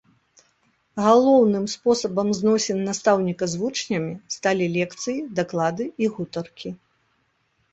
Галоўным спосабам зносін настаўніка з вучнямі сталі лекцыі, даклады і гутаркі.